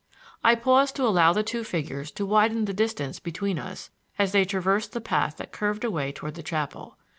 I paused to allow the two figures to widen the distance between us as they traversed the path that curved away toward the chapel.